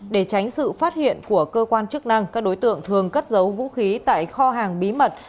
để tránh sự phát hiện của cơ quan chức năng các đối tượng thường cất giấu vũ khí tại kho hàng bí mật